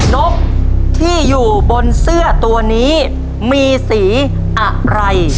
นกที่อยู่บนเสื้อตัวนี้มีสีอะไร